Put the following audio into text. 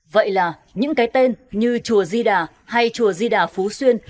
vậy là những cái tên như chùa di đà hay chùa di đà phú xuyên